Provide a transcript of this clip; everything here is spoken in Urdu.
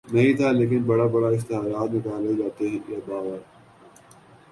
نہیں تھا لیکن بڑے بڑے اشتہارات نکالے جاتے یہ باور